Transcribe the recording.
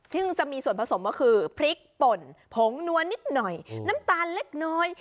ซึ่งจะมีส่วนผสมก็คือพริกป่นผงนัวนิดหน่อยน้ำตาลเล็กน้อย